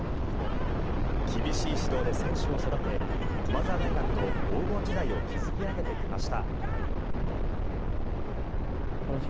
厳しい指導で選手を育て駒澤大学の黄金時代を築き上げてきました。